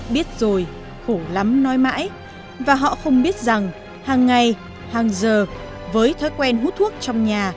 biết rồi khổ lắm nói mãi và họ không biết rằng hàng ngày hàng giờ với thói quen hút thuốc trong nhà